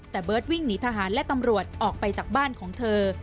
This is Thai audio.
แต่เบิร์ตวิ่งหนีทหารและตำรวจออกไปจากบ้านของเธอ